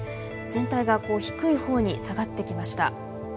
全体がこう低い方に下がってきました。